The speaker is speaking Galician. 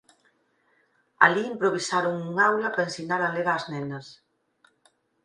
Alí improvisaron un aula para ensinar a ler ás nenas.